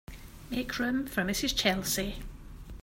Make room for Mrs. Chelsea.